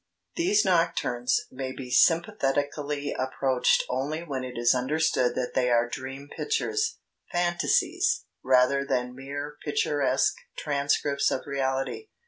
" These "Nocturnes" may be sympathetically approached only when it is understood that they are dream pictures, fantasies, rather than mere picturesque transcripts of reality.